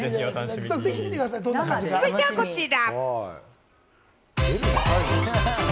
続いてはこちら。